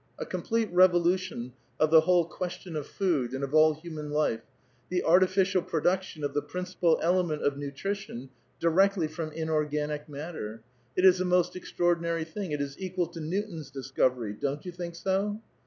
A complete revolution of the whole question of food, and of all human life — the artificial pro duction of the principal element of nutrition, directly from inorganic niattiM*. It is a most extraordinary thing ; it is equal to Newton's discovery. Don't you think so?"